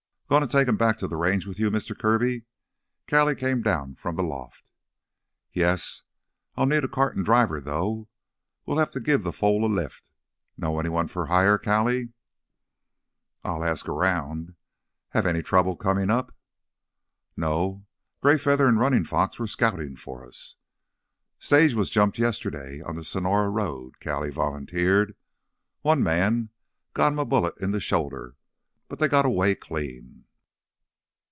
"Gonna take 'em back to th' Range with you, Mister Kirby?" Callie came down from the loft. "Yes. I'll need a cart and driver though. We'll have to give the foal a lift. Know anyone for hire, Callie?" "I'll ask around. Have any trouble comin' up?" "No. Greyfeather and Runnin' Fox were scoutin' for us." "Stage was jumped yesterday on th' Sonora road," Callie volunteered. "One men got him a bullet in th' shoulder, but they got away clean.